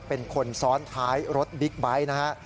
เป็นคนซ้อนคล้ายรถบิ๊กไบท์